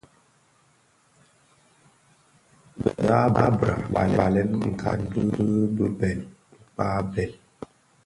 Bë habra mbalèn nkankan bi bibèl (Mkpa - Bhèl),